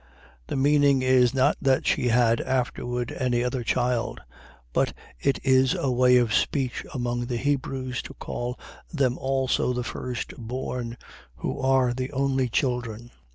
. .The meaning is, not that she had afterward any other child; but it is a way of speech among the Hebrews, to call them also the firstborn, who are the only children.